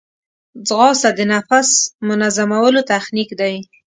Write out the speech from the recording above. ځغاسته د نفس منظمولو تخنیک دی